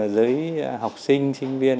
giới học sinh sinh viên